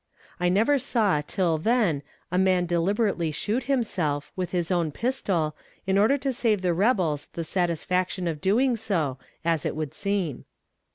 I never saw, till then, a man deliberately shoot himself, with his own pistol, in order to save the rebels the satisfaction of doing so, as it would seem.